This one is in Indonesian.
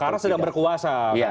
karena sudah berkuasa